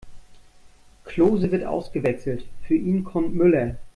Klose wird ausgewechselt, für ihn kommt Müller.